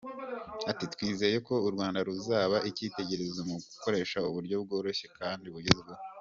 Ati “Twizeye ko u Rwanda ruzaba icyitegererezo mu gukoresha uburyo bworoshye kandi bugezweho.